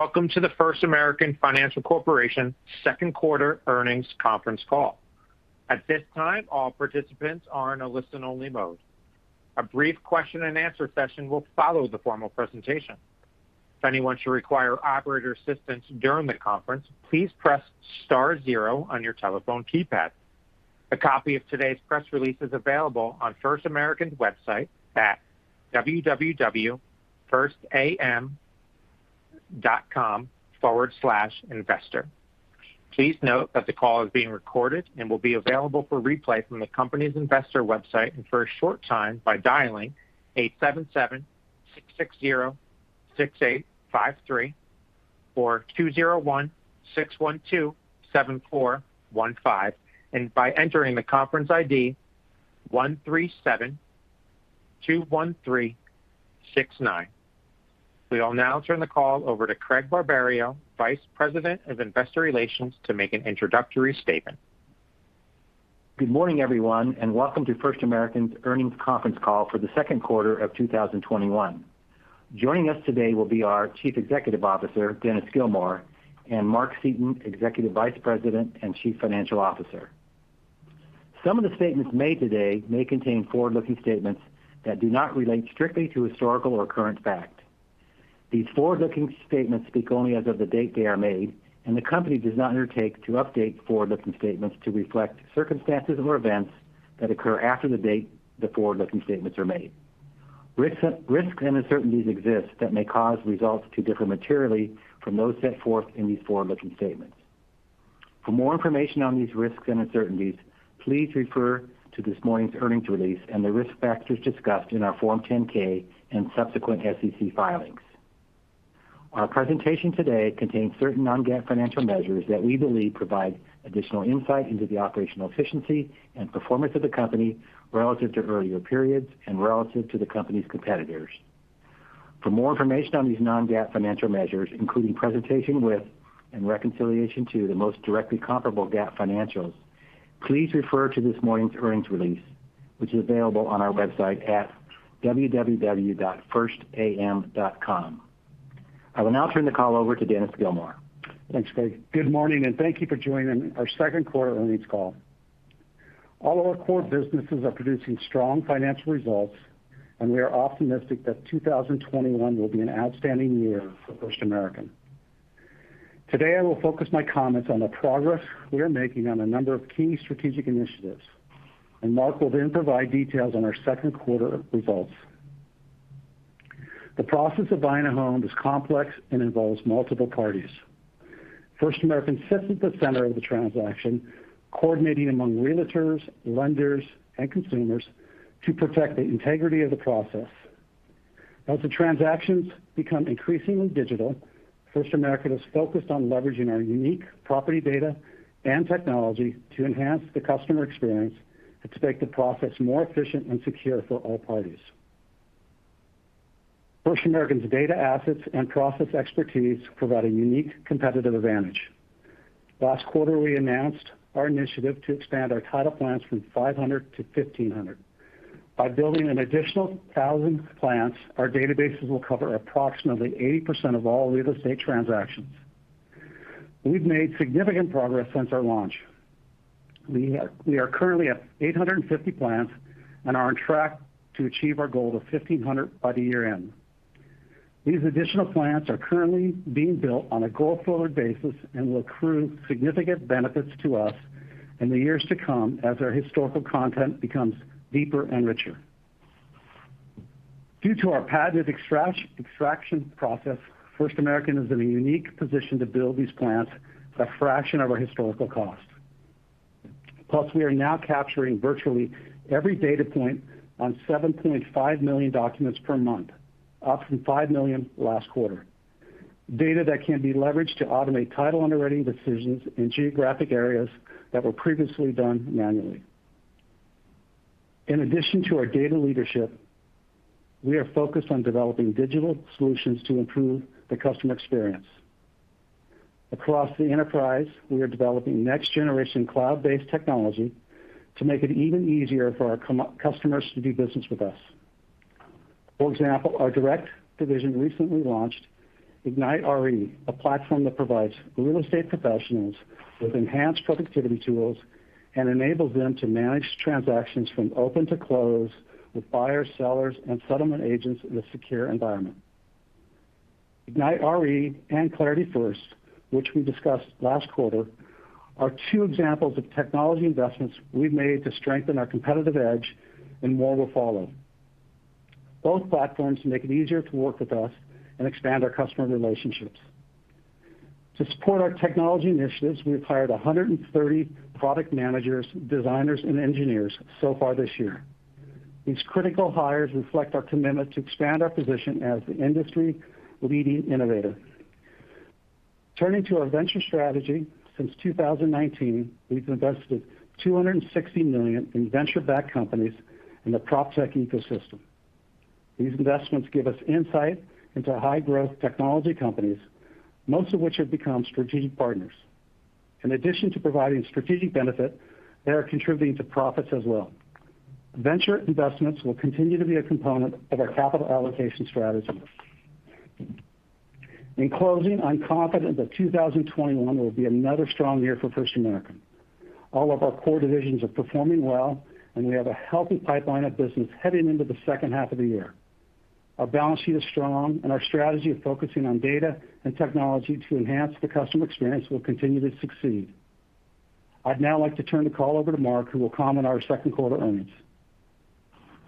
Welcome to the First American Financial Corporation second quarter earnings conference call. At this time all participants are in listen only mode. A brief question-and-answer session will follow the formal presentation. If anyone should require operator assistance during the conference please press star zero on your telephone keypad. A copy of today's press release is available on First American website at www.firstam.com/investor. Please note that the call is being recorded. We will now turn the call over to Craig Barberio, Vice President of Investor Relations, to make an introductory statement. Good morning, everyone, and welcome to First American's earnings conference call for the second quarter of 2021. Joining us today will be our Chief Executive Officer, Dennis Gilmore, and Mark Seaton, Executive Vice President and Chief Financial Officer. Some of the statements made today may contain forward-looking statements that do not relate strictly to historical or current fact. These forward-looking statements speak only as of the date they are made, and the company does not undertake to update forward-looking statements to reflect circumstances or events that occur after the date the forward-looking statements are made. Risks and uncertainties exist that may cause results to differ materially from those set forth in these forward-looking statements. For more information on these risks and uncertainties, please refer to this morning's earnings release and the risk factors discussed in our Form 10-K and subsequent SEC filings. Our presentation today contains certain non-GAAP financial measures that we believe provide additional insight into the operational efficiency and performance of the company relative to earlier periods and relative to the company's competitors. For more information on these non-GAAP financial measures, including presentation with and reconciliation to the most directly comparable GAAP financials, please refer to this morning's earnings release, which is available on our website at www.firstam.com. I will now turn the call over to Dennis Gilmore. Thanks, Craig. Good morning, and thank you for joining our second quarter earnings call. All our core businesses are producing strong financial results. We are optimistic that 2021 will be an outstanding year for First American. Today, I will focus my comments on the progress we are making on a number of key strategic initiatives. Mark will then provide details on our second quarter results. The process of buying a home is complex and involves multiple parties. First American sits at the center of the transaction, coordinating among realtors, lenders, and consumers to protect the integrity of the process. As the transactions become increasingly digital, First American is focused on leveraging our unique property data and technology to enhance the customer experience and to make the process more efficient and secure for all parties. First American's data assets and process expertise provide a unique competitive advantage. Last quarter, we announced our initiative to expand our title plants from 500 to 1,500. By building an additional thousand plants, our databases will cover approximately 80% of all real estate transactions. We've made significant progress since our launch. We are currently at 850 plants and are on track to achieve our goal of 1,500 by the year-end. These additional plants are currently being built on a go-forward basis and will accrue significant benefits to us in the years to come as our historical content becomes deeper and richer. Due to our patented extraction process, First American is in a unique position to build these plants at a fraction of our historical cost. Plus, we are now capturing virtually every data point on 7.5 million documents per month, up from five million last quarter. Data that can be leveraged to automate title underwriting decisions in geographic areas that were previously done manually. In addition to our data leadership, we are focused on developing digital solutions to improve the customer experience. Across the enterprise, we are developing next-generation cloud-based technology to make it even easier for our customers to do business with us. For example, our direct division recently launched IgniteRE, a platform that provides real estate professionals with enhanced productivity tools and enables them to manage transactions from open to close with buyers, sellers, and settlement agents in a secure environment. IgniteRE and ClarityFirst, which we discussed last quarter, are two examples of technology investments we've made to strengthen our competitive edge, and more will follow. Both platforms make it easier to work with us and expand our customer relationships. To support our technology initiatives, we've hired 130 product managers, designers, and engineers so far this year. These critical hires reflect our commitment to expand our position as the industry-leading innovator. Turning to our venture strategy, since 2019, we've invested $260 million in venture-backed companies in the PropTech ecosystem. These investments give us insight into high-growth technology companies, most of which have become strategic partners. In addition to providing strategic benefit, they are contributing to profits as well. Venture investments will continue to be a component of our capital allocation strategy. In closing, I'm confident that 2021 will be another strong year for First American. All of our core divisions are performing well, and we have a healthy pipeline of business heading into the second half of the year. Our balance sheet is strong, and our strategy of focusing on data and technology to enhance the customer experience will continue to succeed. I'd now like to turn the call over to Mark, who will comment on our second quarter earnings.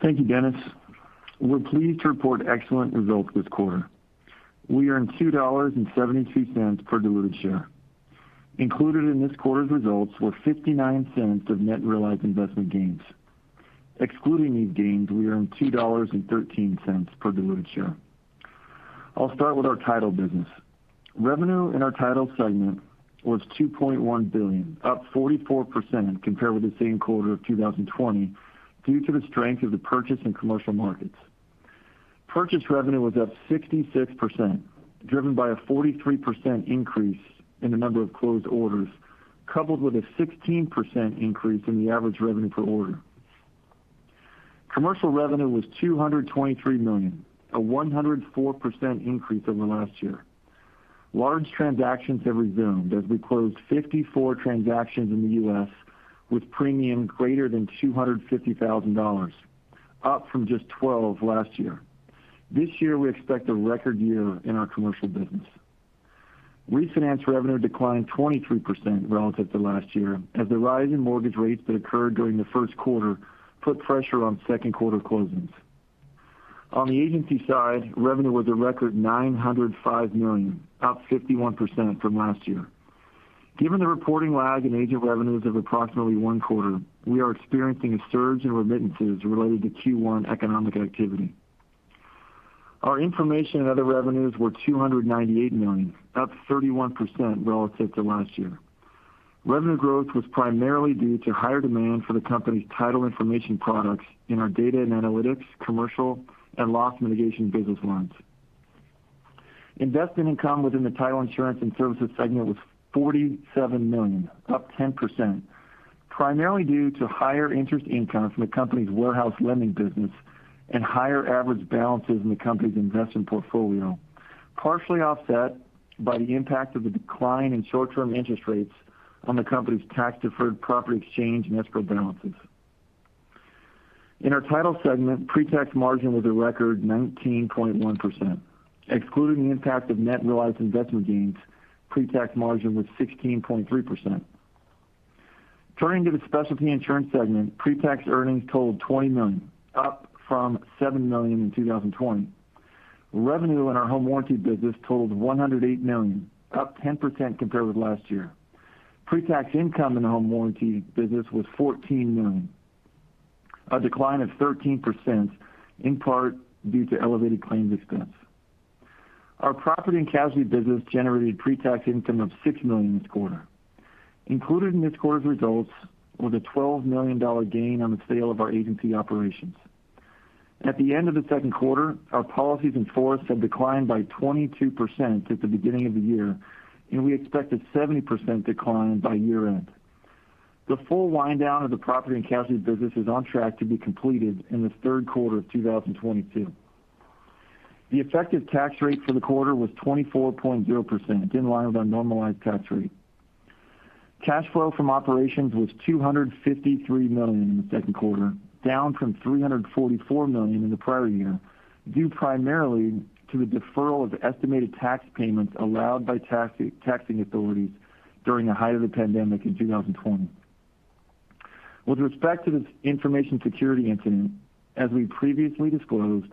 Thank you, Dennis. We're pleased to report excellent results this quarter. We earned $2.72 per diluted share. Included in this quarter's results were $0.59 of net realized investment gains. Excluding these gains, we earned $2.13 per diluted share. I'll start with our title business. Revenue in our title segment was $2.1 billion, up 44% compared with the same quarter of 2020, due to the strength of the purchase and commercial markets. Purchase revenue was up 66%, driven by a 43% increase in the number of closed orders, coupled with a 16% increase in the average revenue per order. Commercial revenue was $223 million, a 104% increase over last year. Large transactions have resumed as we closed 54 transactions in the U.S. with premium greater than $250,000, up from just 12 last year. This year, we expect a record year in our commercial business. Refinance revenue declined 23% relative to last year as the rise in mortgage rates that occurred during the first quarter put pressure on second quarter closings. On the agency side, revenue was a record $905 million, up 51% from last year. Given the reporting lag in agent revenues of approximately one quarter, we are experiencing a surge in remittances related to Q1 economic activity. Our information and other revenues were $298 million, up 31% relative to last year. Revenue growth was primarily due to higher demand for the company's title information products in our data and analytics, commercial, and loss mitigation business lines. Investment income within the title insurance and services segment was $47 million, up 10%, primarily due to higher interest income from the company's warehouse lending business and higher average balances in the company's investment portfolio, partially offset by the impact of the decline in short-term interest rates on the company's tax-deferred property exchange and escrow balances. In our title segment, pre-tax margin was a record 19.1%. Excluding the impact of net realized investment gains, pre-tax margin was 16.3%. Turning to the specialty insurance segment, pre-tax earnings totaled $20 million, up from $7 million in 2020. Revenue in our home warranty business totaled $108 million, up 10% compared with last year. Pre-tax income in the home warranty business was $14 million, a decline of 13%, in part due to elevated claims expense. Our property and casualty business generated pre-tax income of $6 million this quarter. Included in this quarter's results was a $12 million gain on the sale of our agency operations. At the end of the second quarter, our policies in force have declined by 22% at the beginning of the year, and we expect a 70% decline by year-end. The full wind-down of the property and casualty business is on track to be completed in the third quarter of 2022. The effective tax rate for the quarter was 24.0%, in line with our normalized tax rate. Cash flow from operations was $253 million in the second quarter, down from $344 million in the prior year, due primarily to the deferral of estimated tax payments allowed by taxing authorities during the height of the pandemic in 2020. With respect to the information security incident, as we previously disclosed,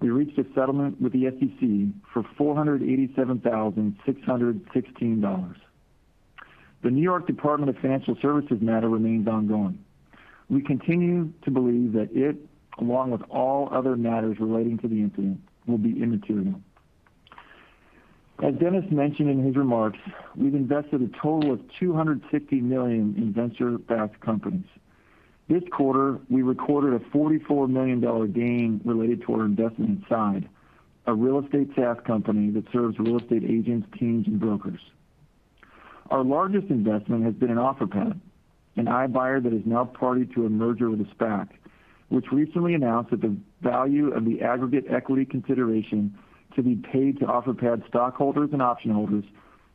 we reached a settlement with the SEC for $487,616. The New York Department of Financial Services matter remains ongoing. We continue to believe that it, along with all other matters relating to the incident, will be immaterial. As Dennis mentioned in his remarks, we've invested a total of $260 million in venture-backed companies. This quarter, we recorded a $44 million gain related to our investment in Side, a real estate tech company that serves real estate agents, teams, and brokers. Our largest investment has been in Offerpad, an iBuyer that is now party to a merger with a SPAC, which recently announced that the value of the aggregate equity consideration to be paid to Offerpad stockholders and option holders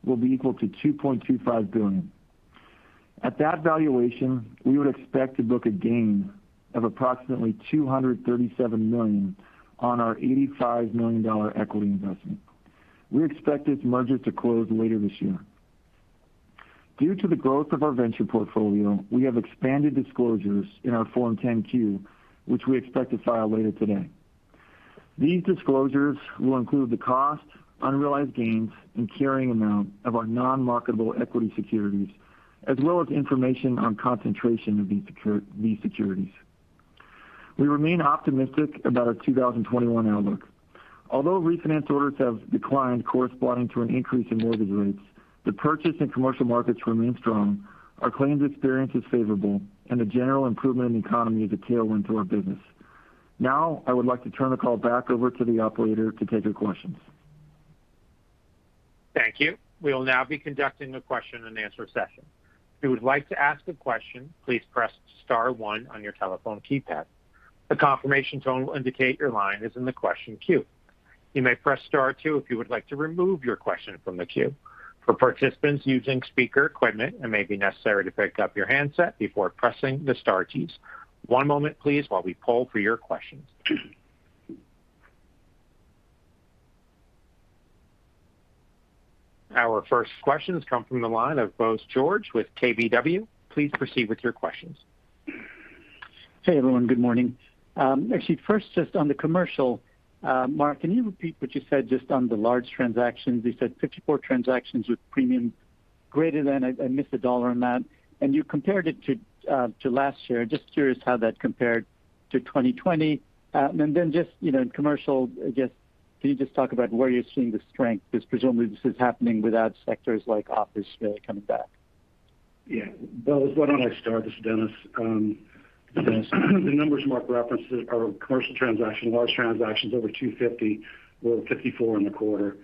will be equal to $2.25 billion. At that valuation, we would expect to book a gain of approximately $237 million on our $85 million equity investment. We expect this merger to close later this year. Due to the growth of our venture portfolio, we have expanded disclosures in our Form 10-Q, which we expect to file later today. These disclosures will include the cost, unrealized gains, and carrying amount of our non-marketable equity securities, as well as information on concentration of these securities. We remain optimistic about our 2021 outlook. Although refinance orders have declined corresponding to an increase in mortgage rates, the purchase and commercial markets remains strong, our claims experience is favorable, and the general improvement in the economy is a tailwind to our business. Now, I would like to turn the call back over to the operator to take your questions. Thank you. We will now be conducting a question-and-answer session. If you would like to ask a question, please press star one on your telephone keypad. A confirmation tone will indicate your line is in the question queue. You may press star star if you would like to remove your question from the queue. For participants using speaker equipment, it may be necessary to pick up your handset before pressing the star keys. One moment please while we poll for your questions. Our first questions come from the line of Bose George with KBW. Please proceed with your questions. Hey, everyone. Good morning. Actually, first just on the commercial, Mark, can you repeat what you said just on the large transactions? You said 54 transactions with premium greater than, I missed the dollar amount, and you compared it to last year. Just curious how that compared to 2020. Then just in commercial, can you just talk about where you're seeing the strength? Presumably this is happening without sectors like office really coming back. Yeah. Bose, why don't I start? This is Dennis. The numbers Mark references are commercial transactions, large transactions over 250, were 54 in the quarter,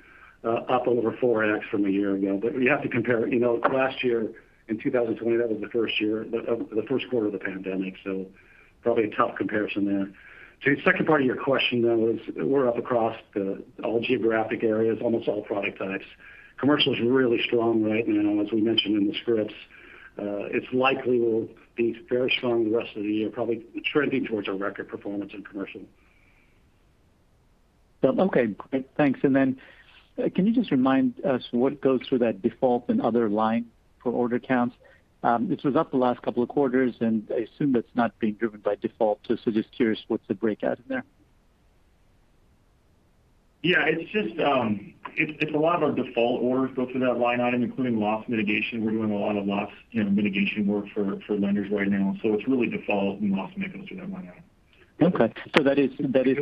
up over 4x from a year ago. You have to compare, last year in 2020, that was the first quarter of the pandemic, so probably a tough comparison there. To the second part of your question, though, is we're up across all geographic areas, almost all product types. Commercial is really strong right now, as we mentioned in the scripts. It likely will be very strong the rest of the year, probably trending towards a record performance in commercial. Okay, great. Thanks. Can you just remind us what goes through that default and other line for order counts? This was up the last couple of quarters, and I assume that's not being driven by default. Just curious what's the breakout in there? Yeah. It's a lot of our default orders go through that line item, including loss mitigation. We're doing a lot of loss mitigation work for lenders right now. It's really default and loss mitigation that went out. Okay. That is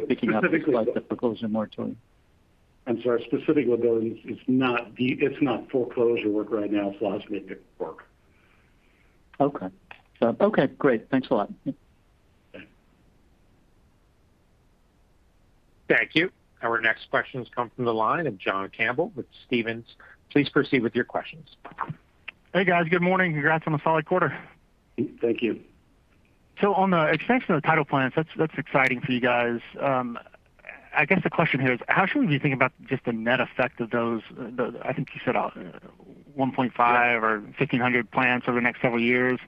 picking up. Specific foreclosures. Like the foreclosure moratorium. Our specific liabilities, it's not foreclosure work right now, it's loss mitigation work. Okay. Great. Thanks a lot. Okay. Thank you. Our next questions come from the line of John Campbell with Stephens. Please proceed with your questions. Hey, guys. Good morning. Congrats on a solid quarter. Thank you. On the expansion of the title plants, that's exciting for you guys. I guess the question here is how should we be thinking about just the net effect of those, I think you said 1.5 or 1,500 plants over the next several years.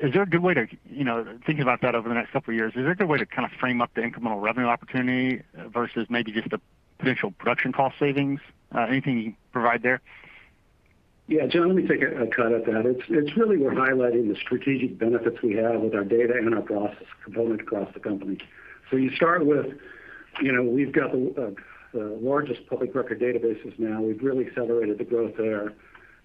Thinking about that over the next couple of years, is there a good way to kind of frame up the incremental revenue opportunity versus maybe just the potential production cost savings? Anything you can provide there? John, let me take a cut at that. It's really we're highlighting the strategic benefits we have with our data and our process components across the company. You start with we've got the largest public record databases now. We've really accelerated the growth there.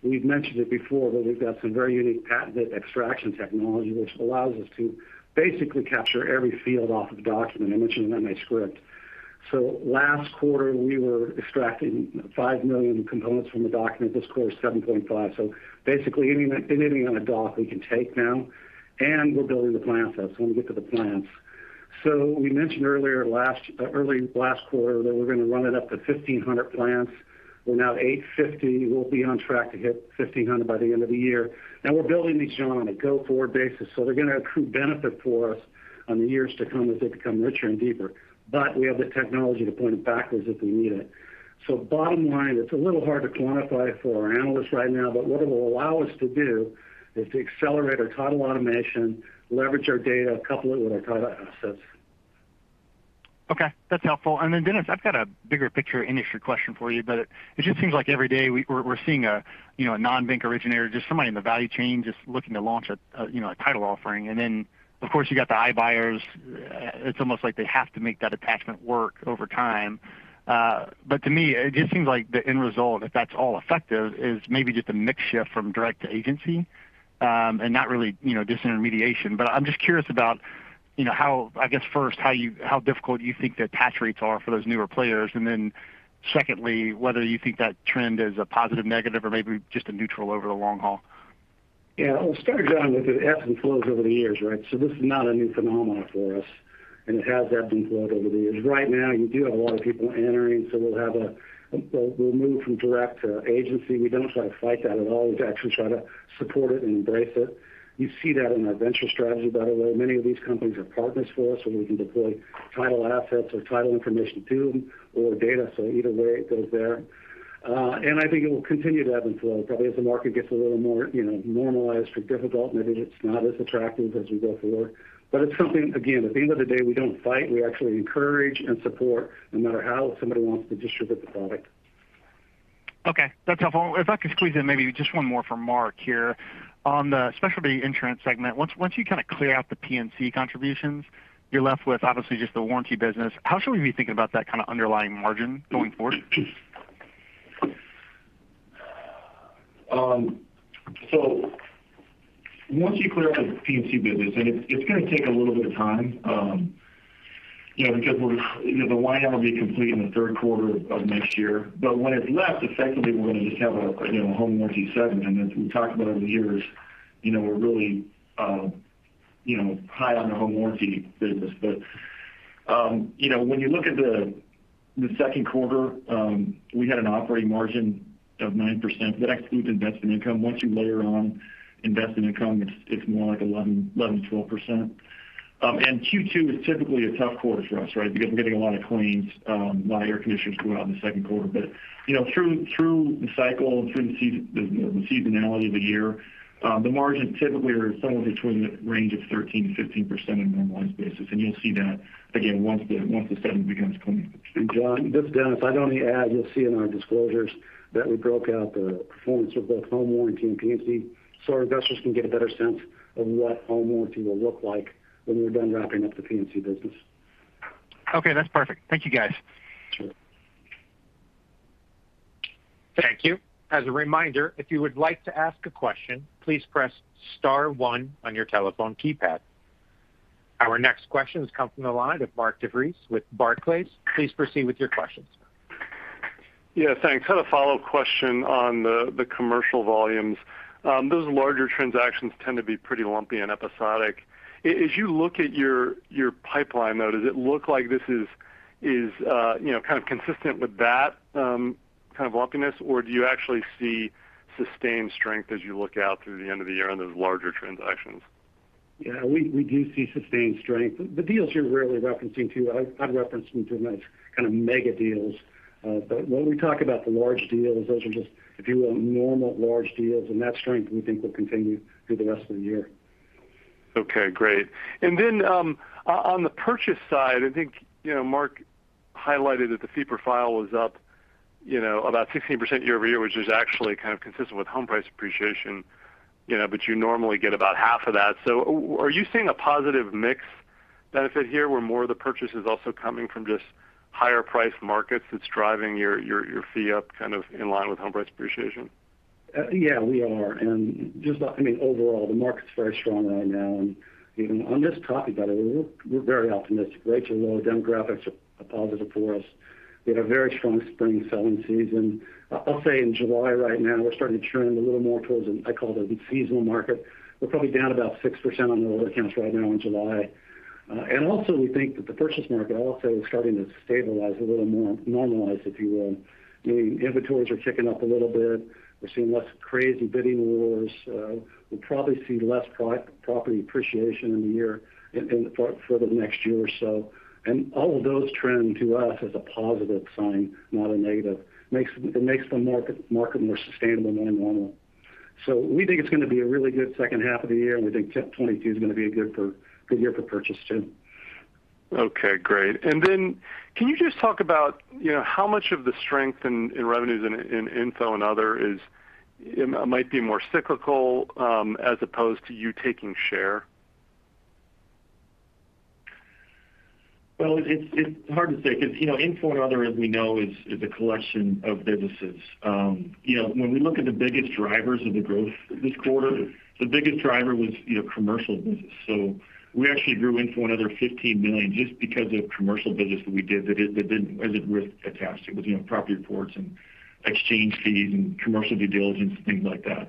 We've mentioned it before, but we've got some very unique patented extraction technology, which allows us to basically capture every field off of the document, I mentioned that in my script. Last quarter, we were extracting five million components from the document. This quarter, it's 7.5 million. Basically, anything on a doc we can take now, and we're building the plan sets when we get to the plants. We mentioned earlier, early last quarter that we're going to run it up to 1,500 plants. We're now at 850. We'll be on track to hit 1,500 by the end of the year. Now we're building these, John, on a go-forward basis. They're going to accrue benefit for us in the years to come as they become richer and deeper. But we have the technology to point it backwards if we need it. Bottom line, it's a little hard to quantify for our analysts right now. What it will allow us to do is to accelerate our title automation, leverage our data, couple it with our title assets. Okay. That's helpful. Dennis, I've got a bigger picture industry question for you. It just seems like every day we're seeing a non-bank originator, just somebody in the value chain just looking to launch a title offering. Of course, you got the iBuyers. It's almost like they have to make that attachment work over time. To me, it just seems like the end result, if that's all effective, is maybe just a mix shift from direct to agency, and not really disintermediation. I'm just curious about, I guess first, how difficult do you think the attach rates are for those newer players? Secondly, whether you think that trend is a positive, negative, or maybe just a neutral over the long haul. I'll start, John, with it ebbs and flows over the years, right? This is not a new phenomenon for us, and it has ebbed and flowed over the years. Right now, you do have a lot of people entering, we'll move from direct to agency. We don't try to fight that at all. We actually try to support it and embrace it. You see that in our venture strategy, by the way. Many of these companies are partners for us, we can deploy title assets or title information to them or data. Either way, it goes there. I think it will continue to ebb and flow probably as the market gets a little more normalized or difficult, maybe it's not as attractive as we go forward. It's something, again, at the end of the day, we don't fight. We actually encourage and support no matter how somebody wants to distribute the product. Okay. That's helpful. If I could squeeze in maybe just one more for Mark here. On the specialty insurance segment, once you kind of clear out the P&C contributions, you're left with obviously just the warranty business. How should we be thinking about that kind of underlying margin going forward? Once you clear out the P&C business, and it's going to take a little bit of time because the wind-down will be complete in the third quarter of next year. When it's left, effectively, we're going to just have a home warranty segment. As we've talked about over the years, we're really high on the home warranty business. When you look at the second quarter, we had an operating margin of 9%. That excludes investment income. Once you layer on investment income, it's more like 11%, 12%. Q2 is typically a tough quarter for us, because we're getting a lot of claims. A lot of air conditioners go out in the second quarter. Through the cycle and through the seasonality of the year, the margin typically are somewhere between the range of 13%-15% on a normalized basis. You'll see that again once the summer begins coming. John, this is Dennis. I'd only add, you'll see in our disclosures that we broke out the performance of both home warranty and P&C, so our investors can get a better sense of what home warranty will look like when we're done wrapping up the P&C business. Okay, that's perfect. Thank you, guys. Sure. Thank you. Our next question has come from the line of Mark DeVries with Barclays. Please proceed with your questions. Yeah, thanks. A follow-up question on the commercial volumes. Those larger transactions tend to be pretty lumpy and episodic. As you look at your pipeline, though, does it look like this is consistent with that lumpiness, or do you actually see sustained strength as you look out through the end of the year on those larger transactions? Yeah, we do see sustained strength. The deals you're really referencing, too, I'd reference them to those kind of mega deals. When we talk about the large deals, those are just, if you will, normal large deals. That strength, we think, will continue through the rest of the year. Okay, great. On the purchase side, I think Mark highlighted that the fee profile was up about 16% year-over-year, which is actually kind of consistent with home price appreciation. You normally get about half of that. Are you seeing a positive mix benefit here, where more of the purchase is also coming from just higher-priced markets that's driving your fee up in line with home price appreciation? Yeah, we are. Just overall, the market's very strong right now, and on this topic, we're very optimistic. Rates are low. Demographics are positive for us. We had a very strong spring selling season. I'll say in July right now, we're starting to trend a little more towards, I call it a seasonal market. We're probably down about 6% on the order counts right now in July. Also, we think that the purchase market also is starting to stabilize a little more, normalize, if you will. Inventories are ticking up a little bit. We're seeing less crazy bidding wars. We'll probably see less property appreciation in the year for the next year or so. All of those trends to us is a positive sign, not a negative. It makes the market more sustainable, more normal. We think it's going to be a really good second half of the year, and we think 2022 is going to be a good year for purchase, too. Okay, great. Can you just talk about how much of the strength in revenues in Info and Other might be more cyclical as opposed to you taking share? Well, it's hard to say because info and other, as we know, is a collection of businesses. When we look at the biggest drivers of the growth this quarter, the biggest driver was commercial business. We actually grew info and other $15 million just because of commercial business that we did that didn't risk attach. It was property reports and exchange fees and commercial due diligence and things like that.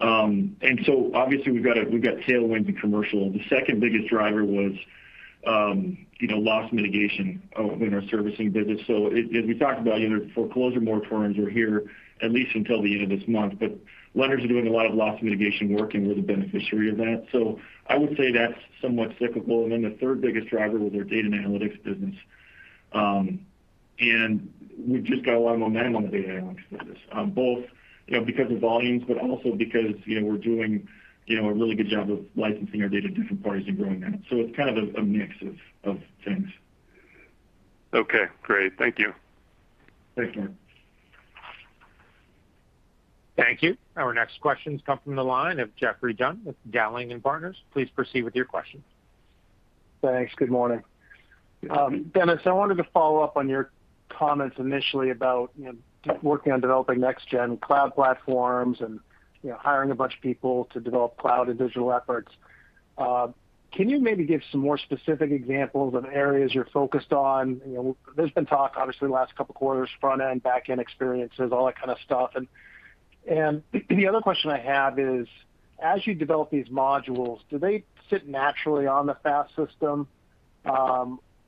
Obviously we've got tailwinds in commercial. The second biggest driver was loss mitigation in our servicing business. As we talked about, foreclosure moratoriums are here at least until the end of this month. Lenders are doing a lot of loss mitigation work and we're the beneficiary of that. I would say that's somewhat cyclical. The third biggest driver was our data and analytics business. We've just got a lot of momentum on the data and analytics business, both because of volumes, but also because we're doing a really good job of licensing our data to different parties and growing that. It's kind of a mix of things. Okay, great. Thank you. Thank you. Thank you. Our next question's come from the line of Geoffrey Dunn with Dowling & Partners. Please proceed with your question. Thanks. Good morning. Good morning. Dennis, I wanted to follow up on your comments initially about working on developing next-gen cloud platforms and hiring a bunch of people to develop cloud and digital efforts. Can you maybe give some more specific examples of areas you're focused on? There's been talk, obviously, the last couple of quarters, front end, back end experiences, all that kind of stuff. The other question I have is, as you develop these modules, do they sit naturally on the FAST System?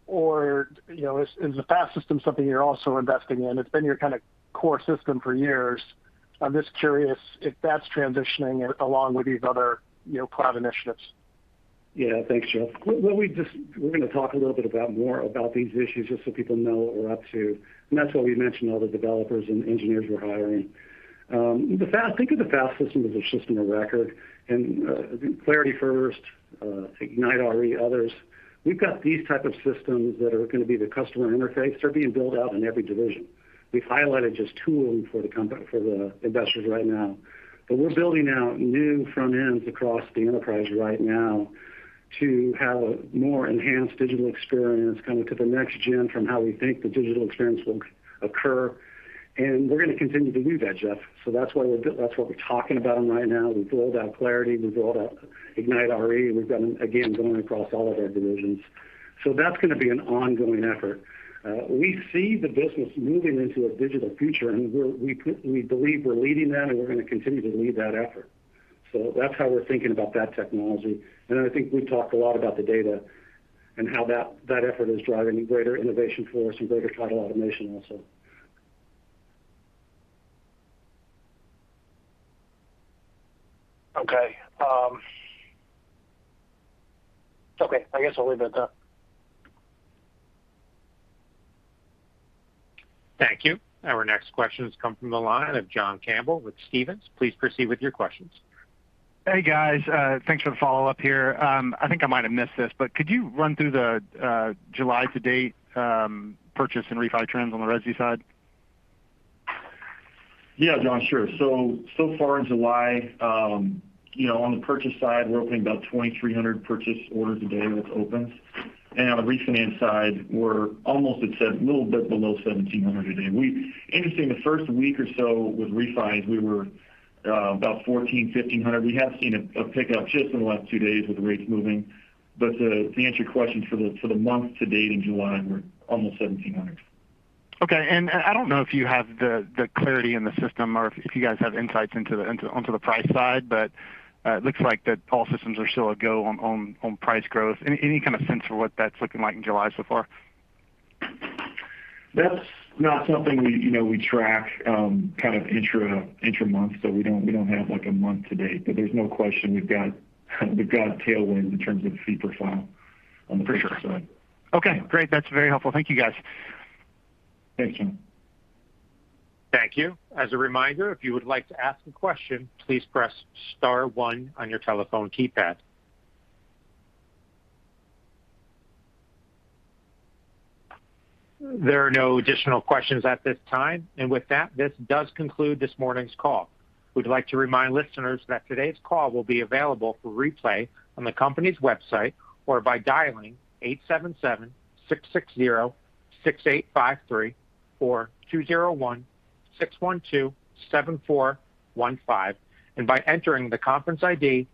Or is the FAST System something you're also investing in? It's been your kind of core system for years. I'm just curious if that's transitioning along with these other cloud initiatives. Yeah. Thanks, Geoff. We're going to talk a little bit more about these issues, just so people know what we're up to, and that's why we mentioned all the developers and engineers we're hiring. Think of the FAST System as a system of record. ClarityFirst, IgniteRE, others. We've got these type of systems that are going to be the customer interface. They're being built out in every division. We've highlighted just two of them for the investors right now. We're building out new front ends across the enterprise right now to have a more enhanced digital experience, kind of to the next gen from how we think the digital experience will occur. We're going to continue to do that, Geoff. That's what we're talking about right now. We've built out Clarity. We've built out IgniteRE. We've done them, again, going across all of our divisions. That's going to be an ongoing effort. We see the business moving into a digital future, and we believe we're leading that, and we're going to continue to lead that effort. That's how we're thinking about that technology. I think we've talked a lot about the data and how that effort is driving greater innovation for us and greater title automation also. Okay. I guess I'll leave it at that. Thank you. Our next questions come from the line of John Campbell with Stephens. Please proceed with your questions. Hey, guys. Thanks for the follow-up here. I think I might have missed this, but could you run through the July to date purchase and refi trends on the resi side? Yeah, John. Sure. So far in July, on the purchase side, we're opening about 2,300 purchase orders a day with opens. On the refinance side, we're almost at, a little bit below 1,700 a day. Interesting, the first week or so with refis, we were about 1,400, 1,500. We have seen a pickup just in the last two days with the rates moving. To answer your question, for the month to date in July, we're almost 1,700. Okay. I don't know if you have the clarity in the system or if you guys have insights onto the price side, but it looks like that all systems are still a go on price growth. Any kind of sense for what that's looking like in July so far? That's not something we track intra-month, so we don't have a month to date. There's no question we've got tailwinds in terms of fee profile on the purchase side. For sure. Okay, great. That's very helpful. Thank you, guys. Thanks, John. Thank you. As a reminder, if you would like to ask a question, please press star one on your telephone keypad. There are no additional questions at this time. With that, this does conclude this morning's call. We'd like to remind listeners that today's call will be available for replay on the company's website or by dialing 877-660-6853 or 201-612-7415, and by entering the conference ID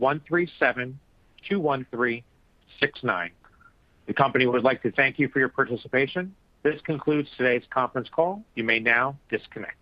137-213-69. The company would like to thank you for your participation. This concludes today's conference call. You may now disconnect.